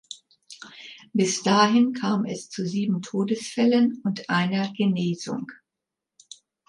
Bis dahin kam es zu sieben Todesfällen und einer Genesung.